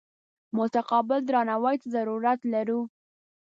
متقابل درناوي ته ضرورت لرو.